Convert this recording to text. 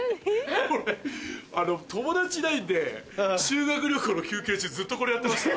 俺友達いないんで修学旅行の休憩中ずっとこれやってました。